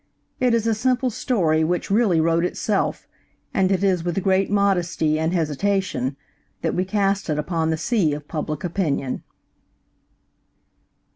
It is a simple story which really wrote itself, and it is with great modesty and hesitation that we cast it upon the sea of public opinion.